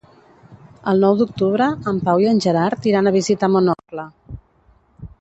El nou d'octubre en Pau i en Gerard iran a visitar mon oncle.